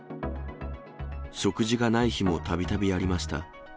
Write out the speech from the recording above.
食事がない日もたびたびありました。